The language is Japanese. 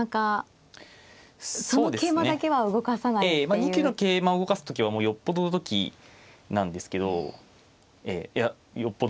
２九の桂馬を動かす時はもうよっぽどの時なんですけどいやよっぽどの時だと判断したんですね